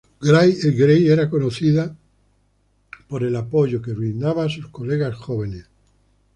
Gray era conocida por el apoyo que brindaba a sus colegas jóvenes.